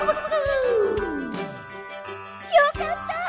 よかった！